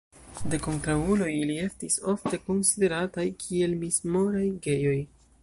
De kontraŭuloj ili estis ofte konsiderataj kiel mis-moraj gejoj.